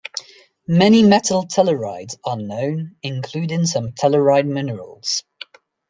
Many metal tellurides are known, including some telluride minerals.